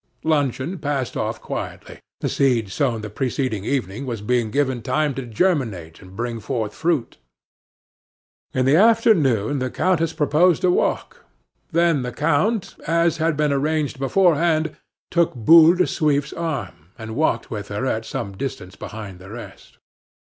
Luncheon passed off quietly. The seed sown the preceding evening was being given time to germinate and bring forth fruit. In the afternoon the countess proposed a walk; then the count, as had been arranged beforehand, took Boule de Suif's arm, and walked with her at some distance behind the rest.